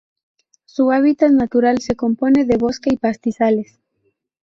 Su hábitat natural se compone de bosque y pastizales.